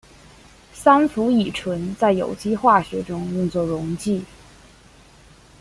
三氟乙醇在有机化学中用作溶剂。